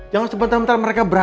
jangan sebentar mentar mereka berubah